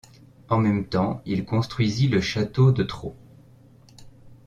En même temps, il construisit le château de Thro.